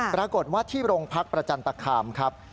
ปรากฏว่าที่โรงพักประจันตคามครับ